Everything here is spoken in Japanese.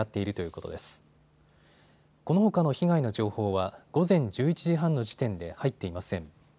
このほかの被害の情報は午前１１時半の時点で入っていません。